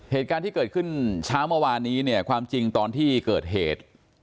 เหตุการณ์ที่เกิดขึ้นเช้าเมื่อวานนี้เนี่ยความจริงตอนที่เกิดเหตุ